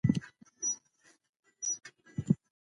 کار د اقتصادي تولید یوه برخه ده.